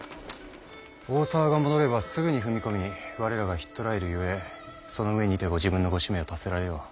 大沢が戻ればすぐに踏み込み我らがひっ捕らえるゆえその上にてご自分のご使命を達せられよ。